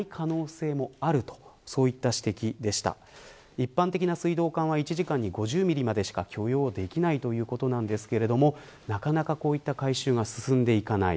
一般的な水道管は１時間に５０ミリまでしか許容できないということなんですがなかなかこういった改修が進んでいかない